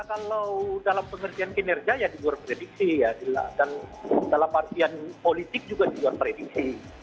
kalau dalam pengertian kinerja ya di luar prediksi dan dalam pengertian politik juga di luar prediksi